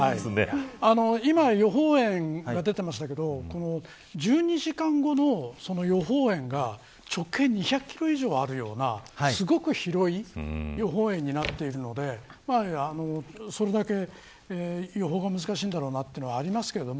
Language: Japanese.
今予報円が出ていましたけど１２時間後の予報円が直径２００キロ以上あるようなすごく広い予報円になっているのでそれだけ予報が難しいんだろうなというのはありますけど。